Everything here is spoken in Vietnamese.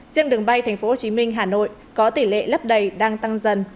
riêng đường bay tp hcm hà nội có tỷ lệ lấp đầy đang tăng dần